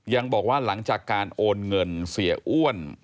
ยังบอกว่าหลังจากการโอนเงินเสียอ้วน